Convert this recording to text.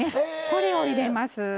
これを入れます。